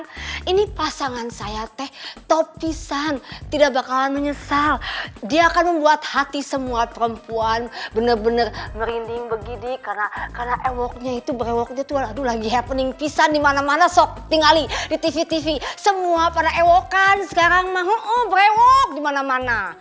pisan ini pasangan saya teh top pisan tidak bakalan menyesal dia akan membuat hati semua perempuan bener bener merinding begidi karena ewoknya itu berewoknya itu lagi happening pisan dimana mana sok tinggalin di tv tv semua pada ewokan sekarang maungu berewok dimana mana